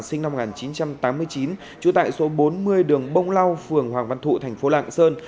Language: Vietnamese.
sinh năm một nghìn chín trăm tám mươi chín trú tại số bốn mươi đường bông lau phường hoàng văn thụ thành phố lạng sơn